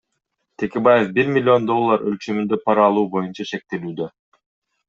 Текебаев бир миллион доллар өлчөмүндө пара алуу боюнча шектелүүдө.